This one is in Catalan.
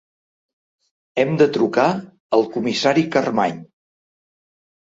Hem de trucar al comissari Carmany.